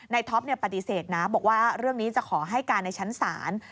ท็อปปฏิเสธนะบอกว่าเรื่องนี้จะขอให้การในชั้นศาล